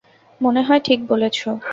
মনে হয় ঠিক বলেছো।